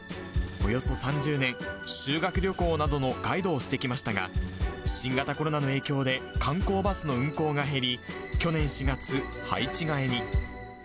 およそ３０年、修学旅行などのガイドをしてきましたが、新型コロナの影響で、観光バスの運行が減り、去年４月、配置換えに。